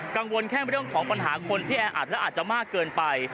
กังวลแค่เรื่องของปัญหาคนที่แออัดและอาจจะมากเกินไป